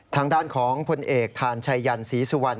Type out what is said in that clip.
ทางด้านของพลเอกทานชัยยันศรีสุวรรณ